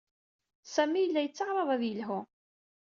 Sami yella yettaɛraḍ ad yelhu.